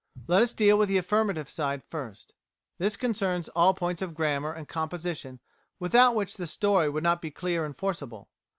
Let us deal with the affirmative side first. This concerns all points of grammar and composition without which the story would not be clear and forcible.